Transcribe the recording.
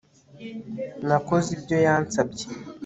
Nakoze ibyo yansabye